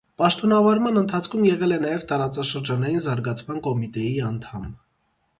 Պաշտոնավարման ընթացքում եղել է նաև տարածաշրջանային զարգացման կոմիտեի անդամ։